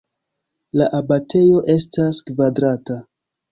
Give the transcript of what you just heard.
La abatejo estas kvadrata.